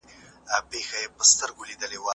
کېدای سي کتابتون ليری وي؟!